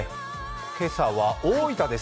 今朝は大分です